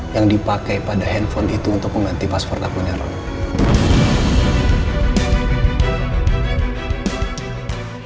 yang dipakai pada handphone itu untuk mengganti password akunnya roy